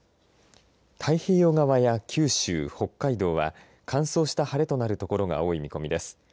太平洋側や九州、北海道は乾燥した晴れとなる所が多い見込みです。